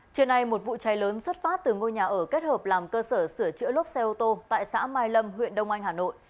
trưa nay một vụ cháy lớn xuất phát từ ngôi nhà ở kết hợp làm cơ sở sửa chữa lốp xe ô tô tại xã mai lâm huyện đông anh hà nội